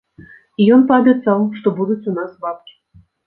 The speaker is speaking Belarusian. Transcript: І ён паабяцаў, што будуць у нас бабкі.